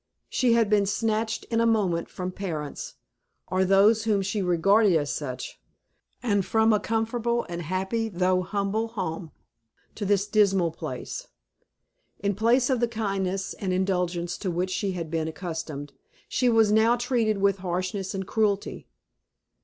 She had been snatched in a moment from parents, or those whom she regarded as such, and from a comfortable and happy though humble home, to this dismal place. In place of the kindness and indulgence to which she had been accustomed, she was now treated with harshness and cruelty.